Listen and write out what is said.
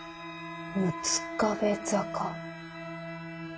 「六壁坂」。